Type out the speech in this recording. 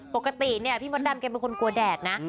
ปกติพี่มดดำเป็นคนกลัวแดดนะ